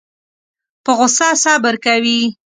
په غوسه صبر کوي.